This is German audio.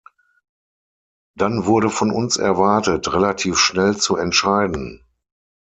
Dann wurde von uns erwartet, relativ schnell zu entscheiden.